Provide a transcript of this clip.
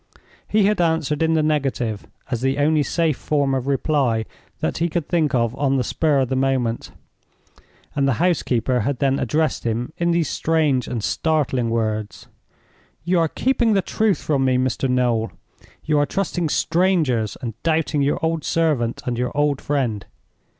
He had answered in the negative, as the only safe form of reply that he could think of on the spur of the moment, and the housekeeper had then addressed him in these strange and startling words: "You are keeping the truth from me, Mr. Noel. You are trusting strangers, and doubting your old servant and your old friend.